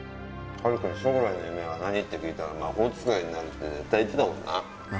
晴空に将来の夢は何って聞いたら魔法使いになるって絶対言ってたもんな